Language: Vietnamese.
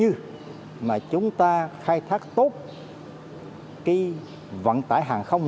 nếu như chúng ta khai thác tốt vận tải hàng không